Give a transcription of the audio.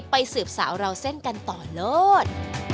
สืบสาวราวเส้นกันต่อเลิศ